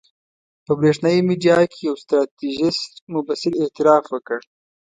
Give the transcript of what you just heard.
په برېښنایي میډیا کې یو ستراتیژیست مبصر اعتراف وکړ.